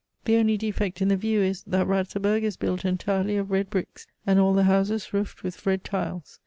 The only defect in the view is, that Ratzeburg is built entirely of red bricks, and all the houses roofed with red tiles.